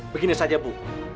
begini saja bu